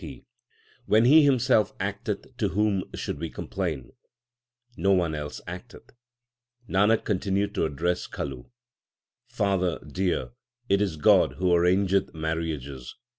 H 2 ioo THE SIKH RELIGION When He Himself acteth, to whom should we complain ? No one else acteth. 1 Nanak continued to address Kalu : Father dear, it is God who arrangeth marriages.